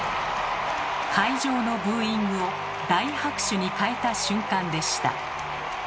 会場のブーイングを大拍手に変えた瞬間でした。